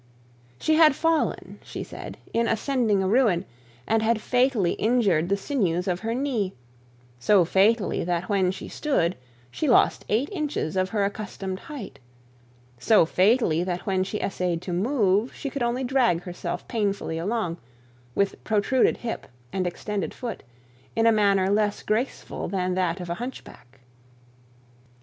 She had fallen, she said, in ascending a ruin and had fatally injured the sinews of her knee; so fatally, that when she stood she lost eight inches of her accustomed height; so fatally, that when she essayed to move, she could only drag herself painfully along, with protruded hip and extended foot in a manner less graceful than that of a hunchback.